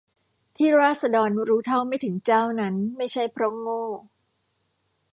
ที่ราษฎรรู้เท่าไม่ถึงเจ้านั้น ไม่ใช่เพราะโง่